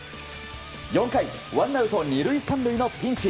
４回、ワンアウト２塁３塁のピンチ。